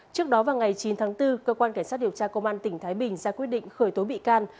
trước đó vào ngày chín tháng bốn cơ quan cảnh sát điều tra công an tỉnh thái bình ra quyết định khởi tố bị can